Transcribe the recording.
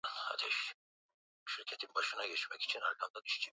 kwa taarifa zaidi tuungane na mwandishi wetu